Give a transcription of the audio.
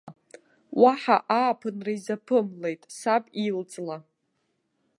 Уаҳа ааԥынра изаԥымлеит саб ил-ҵла.